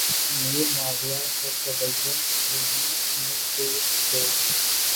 امیر معاویہ کاتبین وحی میں سے تھے